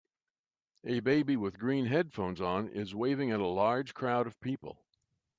A baby with green headphones on is waving at a large crowd of people.